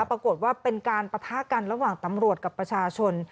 ปรากฏว่าเป็นการปะทะกันระหว่างตำรวจกับประชาชน